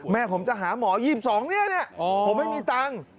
แม่ผมจะหาหมอ๒๒เนี่ยผมไม่มีตังค์